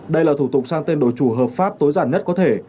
đây là thủ tục sang tên đối chủ hợp pháp tối giản nhất có thể